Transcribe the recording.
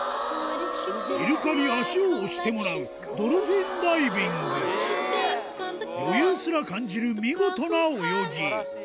イルカに足を押してもらう余裕すら感じる見事な泳ぎ